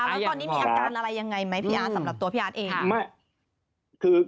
แล้วตอนนี้มีอาการอะไรยังไงไหมพี่อาร์ตสำหรับตัวพี่อาร์ตเอง